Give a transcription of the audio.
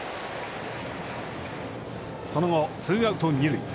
その後、ツーアウト、二塁。